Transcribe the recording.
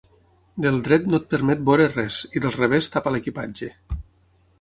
Del dret no et permet veure res i del revés tapa l'equipatge.